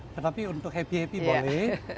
tetapi untuk happy happy boleh